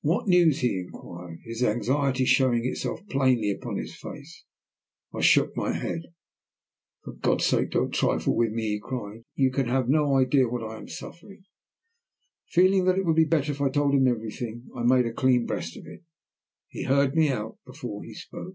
"What news?" he inquired, his anxiety showing itself plainly upon his face. I shook my head. "For God's sake don't trifle with me," he cried. "You can have no idea what I am suffering." Feeling that it would be better if I told him everything, I made a clean breast of it. He heard me out before he spoke.